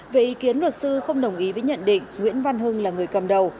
về ý kiến luật sư không đồng ý với nhận định nguyễn văn hưng là người cầm đầu